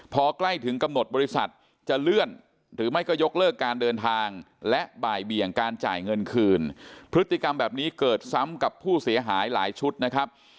พอใกล้ถึงกำหนดบริษัทจะเลื่อนหรือไม่ก็ยกเลิกการเดินทางและบ่ายเบี่ยงการจ่ายเงินคืนพฤติกรรมแบบนี้เกิดซ้ำกับผู้เสียหายหลายชุดนะครับ